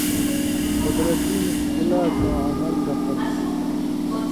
قدرتی مشکلاتواں عمل دخل تُھو۔